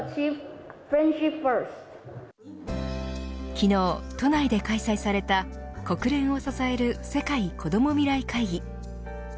昨日、都内で開催された国連を支える世界こども未来会議。